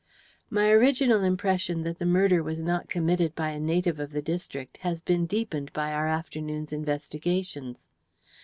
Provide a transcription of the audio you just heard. "My original impression that the murder was not committed by a native of the district has been deepened by our afternoon's investigations.